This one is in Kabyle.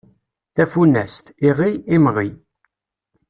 Tafunast: iɣi, imɣi.